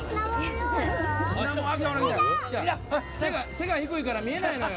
背が低いから見えないのよ。